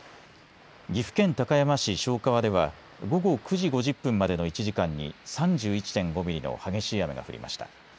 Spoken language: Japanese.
岐阜県高山市荘川では午後９時５０分までの１時間に３１．５ミリの激しい雨が降りました。